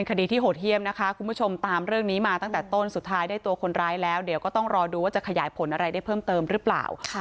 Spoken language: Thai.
คดีที่โหดเยี่ยมนะคะคุณผู้ชมตามเรื่องนี้มาตั้งแต่ต้นสุดท้ายได้ตัวคนร้ายแล้วเดี๋ยวก็ต้องรอดูว่าจะขยายผลอะไรได้เพิ่มเติมหรือเปล่า